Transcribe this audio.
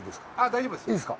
大丈夫です。